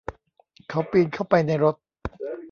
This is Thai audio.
เขาปีนเข้าไปในรถ